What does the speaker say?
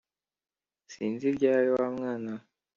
sinzi ibyawe wa mwana we